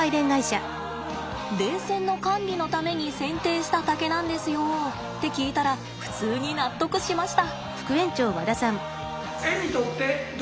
電線の管理のために剪定した竹なんですよって聞いたら普通に納得しました。